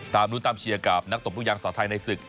ตามนู้นตามเชียร์กับนักตกปรุงยางสาวไทยในศึก